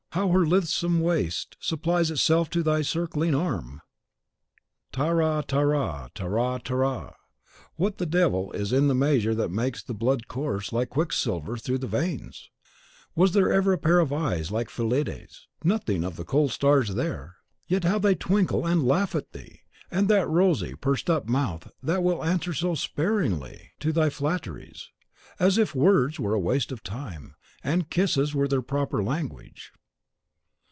How her lithesome waist supples itself to thy circling arm! Tara ra tara, ta tara, rara ra! What the devil is in the measure that it makes the blood course like quicksilver through the veins? Was there ever a pair of eyes like Fillide's? Nothing of the cold stars there! Yet how they twinkle and laugh at thee! And that rosy, pursed up mouth that will answer so sparingly to thy flatteries, as if words were a waste of time, and kisses were their proper language.